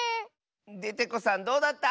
デテコさんどうだった？